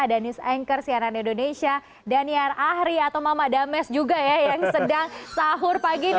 ada news anchor cnn indonesia daniar ahri atau mama dames juga ya yang sedang sahur pagi ini